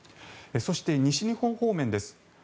そして、西日本方面です。